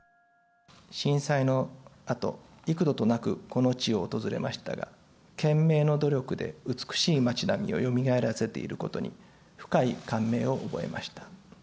震災のあと、幾度となくこの地を訪れましたが、懸命の努力で美しい街並みをよみがえらせていることに、深い感銘